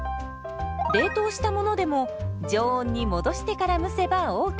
冷凍したものでも常温に戻してから蒸せばＯＫ。